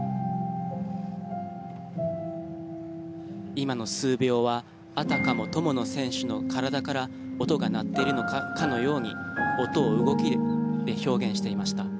今の数秒はあたかも友野選手の体から音が鳴っているかのように音を動きで表現していました。